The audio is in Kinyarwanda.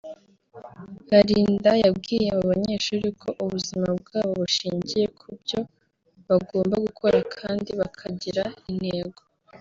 Balinda yabwiye abo banyeshuri ko ubuzima bwabo bushingiye ku byo bagomba gukora kandi bakagira intego